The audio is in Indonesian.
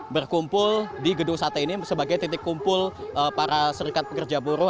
berkumpul di gedung sate ini sebagai titik kumpul para serikat pekerja buruh